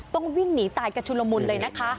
ต้องวิ่งหนีตายกันชุลมุนเลยนะคะ